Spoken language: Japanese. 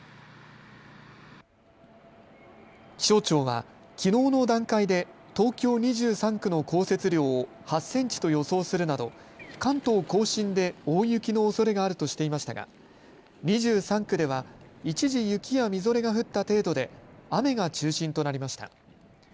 気象庁はきのうの段階で東京２３区の降雪量を８センチと予想するなど関東甲信で大雪のおそれがあるとしていましたが２３区では一時、雪やみぞれが降った程度で雨が中心となりました。